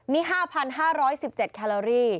นี่๕๕๑๗แคลอรี่